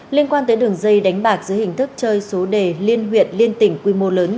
liên quan tới đường dây đánh bạc dưới hình thức chơi số đề liên huyện liên tỉnh quy mô lớn